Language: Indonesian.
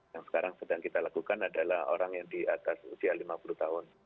yang sekarang sedang kita lakukan adalah orang yang di atas usia lima puluh tahun